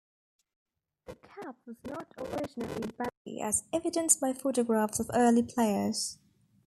The cap was not originally baggy as evidenced by photographs of early players.